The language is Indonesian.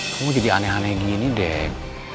kamu jadi aneh aneh gini deh